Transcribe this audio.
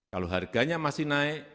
kalau harganya masih naik